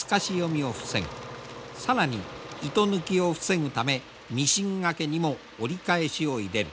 更に糸抜きを防ぐためミシンがけにも折り返しを入れる。